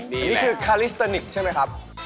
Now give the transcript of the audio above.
นี่คือคาลิสเตอร์นิคใช่ไหมครับ